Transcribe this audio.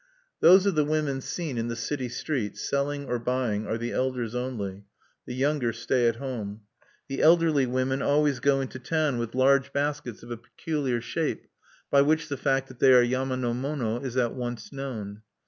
"Those of the women seen in the city street, selling or buying, are the elders only. The younger stay at home. The elderly women always go into town with large baskets of a peculiar shape, by which the fact that they are yama no mono is at once known.